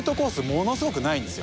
ものすごくないんですよ。